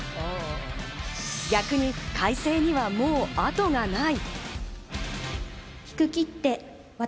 逆に開成には、もう後がない。